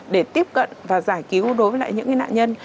để tiếp cận và giải cứu đối với những nạn nhân